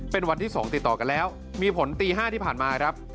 เป็นวันที่๒ติดต่อกันแล้วมีผลตี๕ที่ผ่านมาครับ